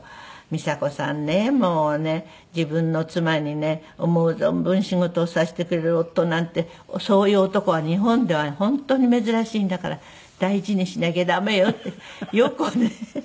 「美佐子さんねもうね自分の妻にね思う存分仕事をさせてくれる夫なんてそういう男は日本では本当に珍しいんだから大事にしなきゃ駄目よ」ってよくね